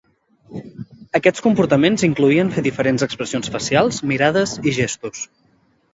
Aquests comportaments incloïen fer diferents expressions facials, mirades i gestos.